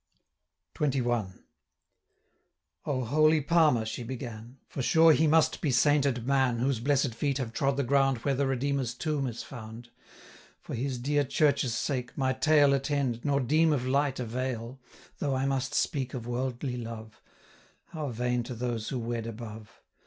XXI. 'O, holy Palmer!' she began, 'For sure he must be sainted man, Whose blessed feet have trod the ground Where the Redeemer's tomb is found, 575 For His dear Church's sake, my tale Attend, nor deem of light avail, Though I must speak of worldly love, How vain to those who wed above!